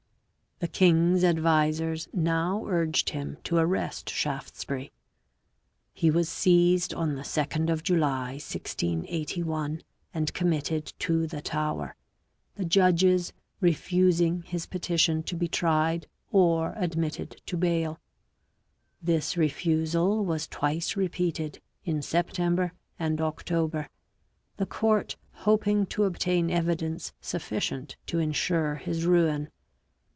The king's advisers now urged him to arrest Shaftesbury; he was seized on the 2nd of July 1681, and committed to the Tower, the judges refusing his petition to be tried or admitted to bail. This refusal was twice repeated in September and October, the court hoping to obtain evidence sufficient to ensure his ruin.